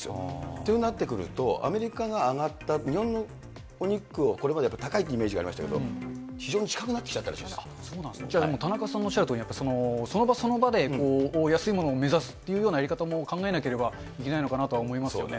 となってくると、アメリカが上がった、日本のお肉、これまでやっぱり高いイメージがありましたけど、非常に近くなっじゃあ田中さんのおっしゃるとおり、その場その場で安いものを目指すというようなやり方も考えなければいけないのかなと思いますね。